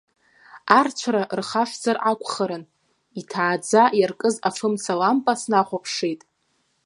Арцәара рхашҭзар акәхарын, иҭааӡа иаркыз афымца лампа снахәаԥшит.